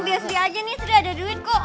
biasa biasa ada duit kok